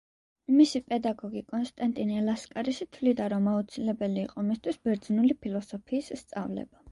მისი პედაგოგი, კონსტანტინე ლასკარისი თვლიდა, რომ აუცილებელი იყო მისთვის ბერძნული ფილოსოფიის სწავლება.